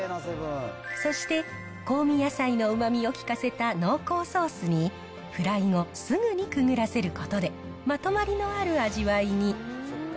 そして香味野菜のうまみを効かせた濃厚ソースに、フライ後、すぐにくぐらせることで、まとまりのある味わいに。